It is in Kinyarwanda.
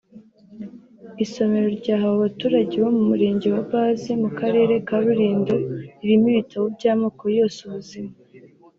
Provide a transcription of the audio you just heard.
Isomero ryahawe abaturage bo mu Murenge wa Base mu Karere ka Rulindo ririmo ibitabo by’amoko yose ubuzima